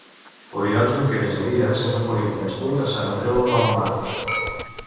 Oriol Junqueras i Vies és un polític nascut a Sant Andreu de Palomar.